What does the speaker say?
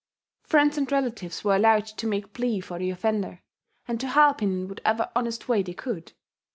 Friends and relatives were allowed to make plea for the offender, and to help him in whatever honest way they could.